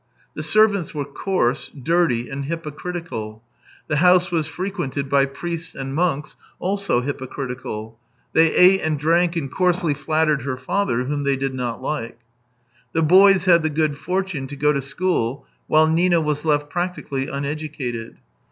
The servants were coarse, dirty, and hypocritical; the house was frequented by priests and monks, also hypocritical; they ate and drank and coarsely flattered her father, whom they did not like. The boys had the good fortune to go to school, while Nina was left practically uneducated.